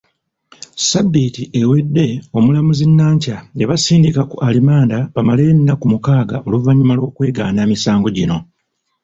Sabiiti ewedde Omulamuzi Nankya yabasindika ku alimanda bamaleyo ennaku mukaaga oluvannyuma lw'okwegaana emisango gino.